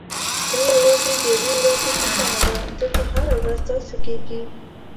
دا یوازې د یوې ورځې کیسه نه ده، دلته هره ورځ داسې کېږي.